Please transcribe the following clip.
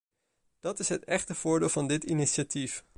Dat is het echte voordeel van dit initiatief.